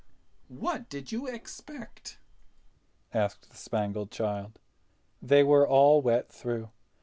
"What did you expect?" asked the Spangled Child. They were all wet through.